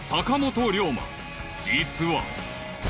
［実は］